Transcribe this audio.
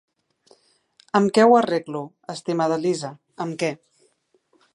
Amb què ho arreglo, estimada Liza, amb què?